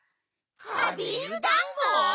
カビールだんご！？